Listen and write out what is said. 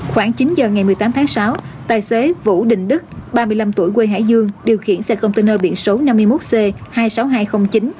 khoảng chín giờ ngày một mươi tám tháng sáu tài xế vũ đình đức ba mươi năm tuổi quê hải dương điều khiển xe container biển số năm mươi một c hai mươi sáu nghìn hai trăm linh chín